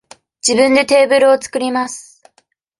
自分でテーブルを作ります。